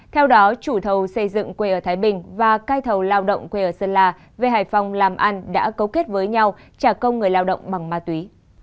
theo đó chủ thầu xây dựng quê ở thái bình và cai thầu lao động quê ở sơn la về hải phòng làm ăn đã cấu kết với nhau trả công người lao động bằng ma túy